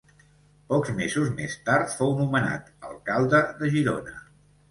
Pocs mesos més tard, fou nomenat alcalde de Girona.